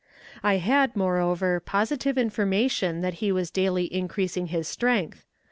I had, moreover, positive information that he was daily increasing his strength.